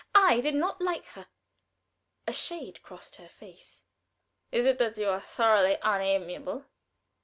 I did not like her. A shade crossed her face. "Is it that you are thoroughly unamiable?"